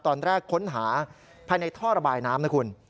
ตอนแรกค้นหาภายในท่อระบายน้ำนะคุณ